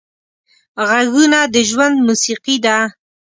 غږونه د ژوند موسیقي ده